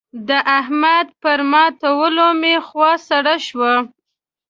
د احمد پر ماتولو مې خوا سړه شوه.